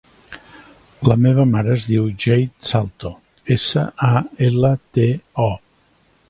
La meva mare es diu Jade Salto: essa, a, ela, te, o.